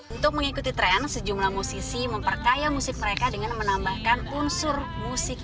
untuk mengikuti tren sejumlah musisi memperkaya musik mereka dengan menambahkan unsur musik